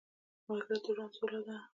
ملګری د ژوند سوله ده